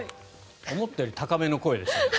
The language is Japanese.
思ったよりも高めの声でしたけど。